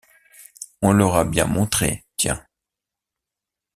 On leur a bien montré, tiens!